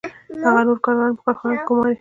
هغه نور کارګران په کارخانه کې ګوماري